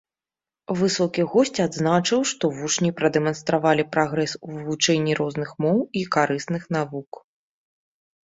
Высокі госць адзначыў, што вучні прадэманстравалі прагрэс у вывучэнні розных моў і карысных навук.